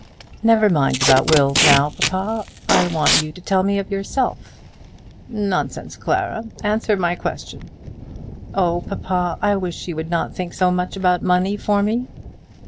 "Never mind about wills now, papa. I want you to tell me of yourself." "Nonsense, Clara. Answer my question." "Oh, papa, I wish you would not think so much about money for me."